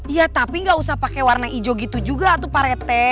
ya tapi gak usah pakai warna ijo gitu juga tuh pak rete